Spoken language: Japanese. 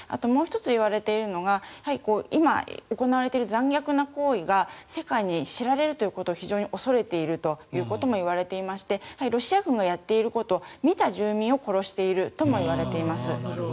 もう１ついわれているのは今、行われている残虐な行為を世界に知られることを非常に恐れているということもいわれていましてロシア軍がやっていること見た住民を殺しているとも言われています。